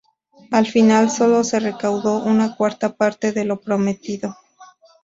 Al final solo se recaudó una cuarta parte de lo prometido.